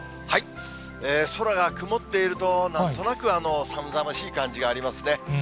空が曇っているとなんとなく寒々しい感じがありますね。